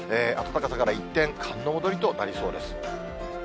暖かさから一転、寒の戻りとなりそうです。